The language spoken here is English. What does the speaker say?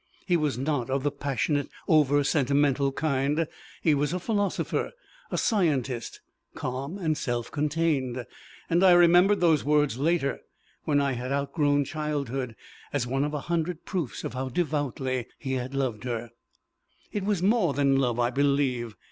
He was not of the passionate, over sentimental kind; he was a philosopher, a scientist, calm and self contained and I remembered those words later, when I had outgrown childhood, as one of a hundred proofs of how devoutly he had loved her. It was more than love, I believe.